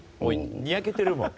にやけてるもん。